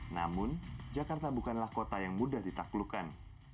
namun jakarta bukanlah kota yang mudah ditaklukkan